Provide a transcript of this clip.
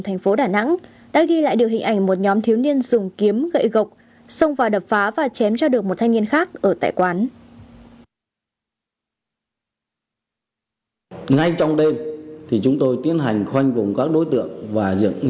thành phố đà nẵng đã ghi lại được hình ảnh một nhóm thiếu niên dùng kiếm gậy gộc xông vào đập phá và chém cho được một thanh niên khác ở tại quán